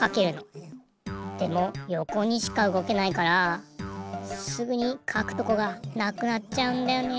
でもよこにしかうごけないからすぐにかくとこがなくなっちゃうんだよね。